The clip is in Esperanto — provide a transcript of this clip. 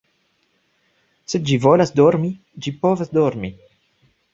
Se ĝi volas dormi, ĝi povas dormi